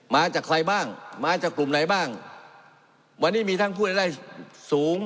มาจากใครบ้างมาจากกลุ่มไหนบ้างวันนี้มีทั้งผู้รายได้สูง